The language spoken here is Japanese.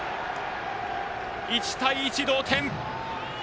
１対１、同点。